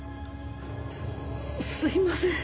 すすいません。